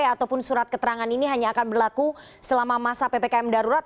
ataupun surat keterangan ini hanya akan berlaku selama masa ppkm darurat